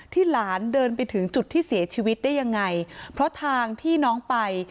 หลานเดินไปถึงจุดที่เสียชีวิตได้ยังไงเพราะทางที่น้องไป